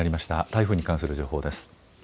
台風に関する情報です。